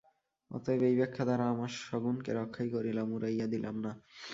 অতএব এই ব্যাখ্যা দ্বারা আমরা সগুণকে রক্ষাই করিলাম, উড়াইয়া দিলাম না।